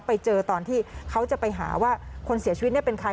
ไปเจอตอนที่เขาจะไปหาว่าคนเสียชีวิตเป็นใคร